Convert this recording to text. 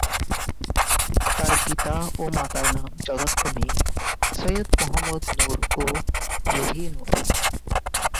তার পিতা ও মাতার নাম যথাক্রমে সৈয়দ মহম্মদ নুর ও রুবি নুর।